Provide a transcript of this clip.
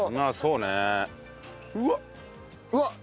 うわっ！